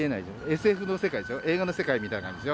ＳＦの世界でしょ、映画の世界みたいでしょ。